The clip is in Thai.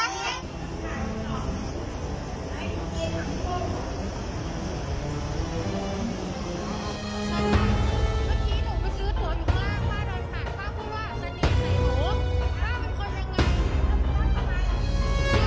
เมื่อกี้หนูไปซื้อตั๋วอยู่ข้างล่างป้าโดนผ่านป้าพูดว่าฉันเนียนไข่หนู